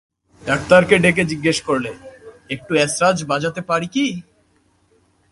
ডাক্তারকে ডেকে জিজ্ঞাসা করলে, একটু এসরাজ বাজাতে পারি কি?